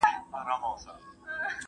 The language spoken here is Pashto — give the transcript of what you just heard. که ښوونکی وختي چمتو سي، درس نه ګډوډېږي.